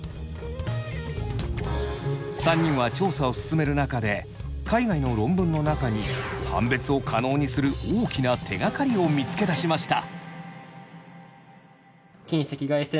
３人は調査を進める中で海外の論文の中に判別を可能にする大きな手がかりを見つけ出しました。